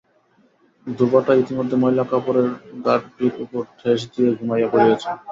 ধোবাটা ইতিমধ্যে ময়লা কাপড়ের গাঁঠরির উপর ঠেস দিয়া ঘুমাইয়া পড়িয়াছে।